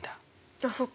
あっそっか。